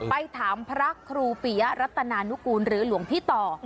ไปถามพระครูปียะรัตนานุกูลหรือหลวงพี่ต่อ